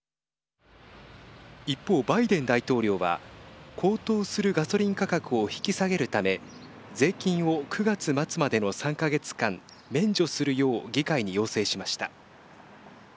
一方、バイデン大統領は高騰するガソリン価格を引き下げるため税金を９月末までの３か月間免除するよう議会に要請しました。